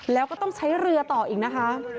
แล้วก็ต้องใช้เรือต่ออีกนะคะ